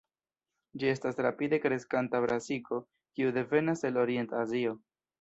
Ĝi estas rapide kreskanta brasiko, kiu devenas el Orient-Azio.